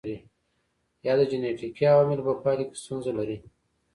یا د جنېټیکي عواملو په پایله کې ستونزه لري.